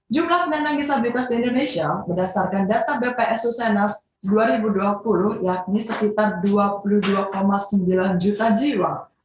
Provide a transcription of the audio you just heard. jumlah penyandang disabilitas di indonesia berdasarkan data bpsusenas dua ribu dua puluh yakni sekitar dua puluh dua sembilan juta jiwa